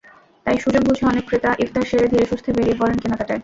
তাই সুযোগ বুঝে অনেক ক্রেতা ইফতার সেরে ধীরেসুস্থে বেরিয়ে পড়েন কেনাকাটায়।